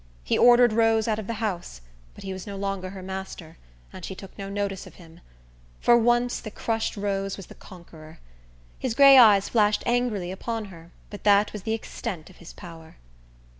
He ordered Rose out of the house; but he was no longer her master, and she took no notice of him. For once the crushed Rose was the conqueror. His gray eyes flashed angrily upon her; but that was the extent of his power.